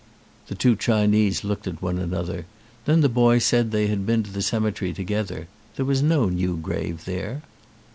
The two Chinese looked at one another. Then the boy said they had been to the cemetery to gether. There was no new grave there.